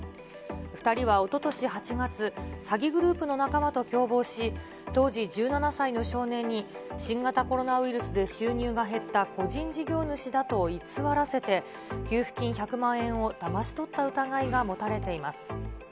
２人はおととし８月、詐欺グループの仲間と共謀し、当時１７歳の少年に、新型コロナウイルスで収入が減った個人事業主だと偽らせて、給付金１００万円をだまし取った疑いが持たれています。